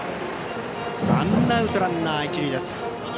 ワンアウトランナー、一塁です。